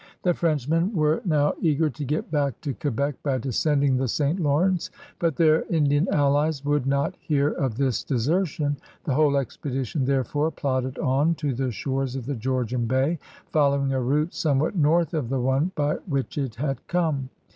The Frenchmen were now THE FOUNDING OP NEW FRANCE 47 eager to get back to Quebec by descending tbe St. Lawrence, but tbeir Indian allies would not hear of this desertion. The whole expedition therefore plodded on to the shores of the Georgian Bay, following a route somewhat north of the one by which it had come.